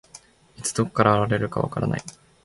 いつ、どこから現れるか分からない。